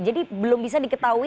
jadi belum bisa diketahui